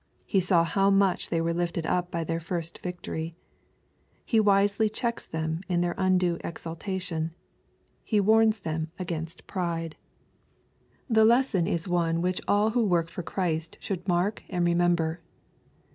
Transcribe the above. He saw how much they were lifted up by their first victory. He wisely checks them in their undue exultation. He warns them against pride. LUKE, CHAP. X. 359 The lesson is one which all who work for Christ should mark and remember.